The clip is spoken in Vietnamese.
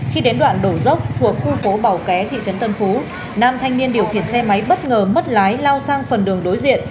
khi đến đoạn đổ dốc thuộc khu phố bảo ké thị trấn tân phú nam thanh niên điều khiển xe máy bất ngờ mất lái lao sang phần đường đối diện